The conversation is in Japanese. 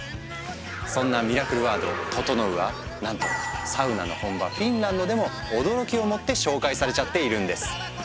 そんなミラクルワード「ととのう」はなんとサウナの本場フィンランドでも驚きをもって紹介されちゃっているんです。